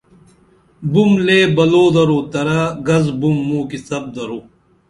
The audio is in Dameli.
بُم لے بلو درو ترا گز بُم موں کی څپ درو